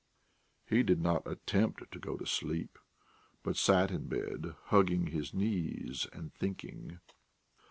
He did not attempt to go to sleep, but sat in bed, hugging his knees and thinking.